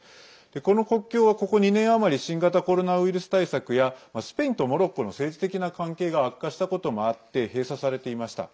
この国境は、ここ２年余り新型コロナウイルス対策やスペインとモロッコの政治的な関係が悪化したこともあって閉鎖されていました。